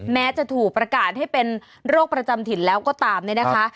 แม้จะถูกประกาศให้เป็นโรคประจำถิ่นแล้วก็ตามเนี่ยนะคะ